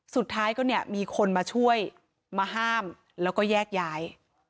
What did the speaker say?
สุดท้ายก็เนี่ยมีคนมาช่วยมาห้ามแล้วก็แยกย้าย